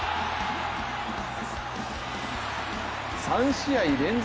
３試合連続